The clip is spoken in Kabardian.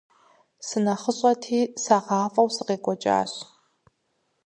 СынэхъыщӀэти сагъафӀэу сыкъекӀуэкӀащ.